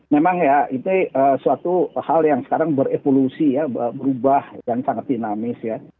memang ya itu suatu hal yang sekarang berevolusi ya berubah yang sangat dinamis ya